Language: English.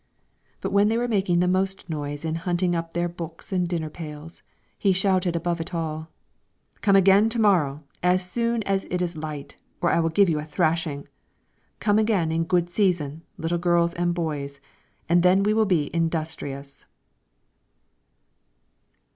But when they were making the most noise in hunting up their books and dinner pails, he shouted above it all, "Come again to morrow, as soon as it is light, or I will give you a thrashing. Come again in good season, little girls and boys, and then we will be industrious."